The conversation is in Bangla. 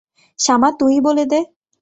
শামা, তুই-ই বলে দে।